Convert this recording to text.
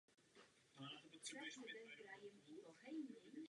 Melanie se narodila v New Plymouth na Novém Zélandu.